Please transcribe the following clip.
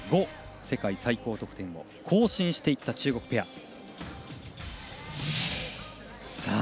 世界最高得点を更新した中国ペア。